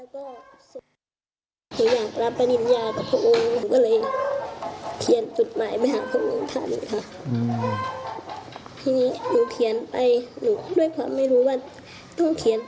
ตอบหยุดหมายกลับมาแทนให้ทุนการศึกษานุเรียนต่อ